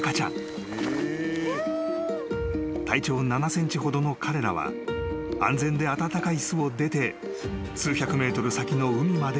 ［体長７ｃｍほどの彼らは安全で暖かい巣を出て数百ｍ先の海まで急ぐ］